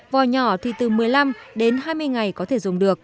vò nhỏ thì từ một mươi năm đến hai mươi ngày có thể dùng được